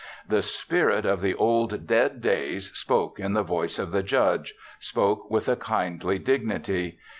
The spirit of the old, dead days spoke in the voice of the Judge spoke with a kindly dignity.